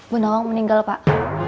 bu nawang meninggal pak